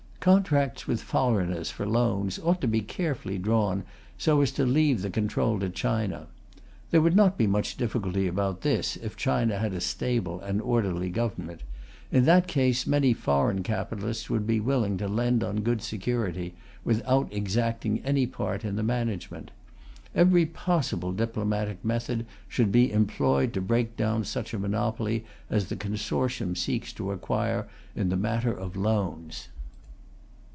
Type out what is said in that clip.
Contracts with foreigners for loans ought to be carefully drawn so as to leave the control to China. There would not be much difficulty about this if China had a stable and orderly government; in that case, many foreign capitalists would be willing to lend on good security, without exacting any part in the management. Every possible diplomatic method should be employed to break down such a monopoly as the consortium seeks to acquire in the matter of loans.